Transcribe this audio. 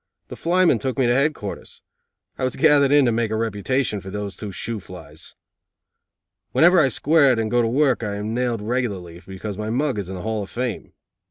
The flymen took me to headquarters. I was gathered in to make a reputation for those two shoo flies. Whenever I square it and go to work I am nailed regularly, because my mug is in the Hall of Fame.